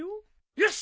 よし！